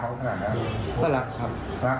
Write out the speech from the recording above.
พระคุณที่อยู่ในห้องการรับผู้หญิง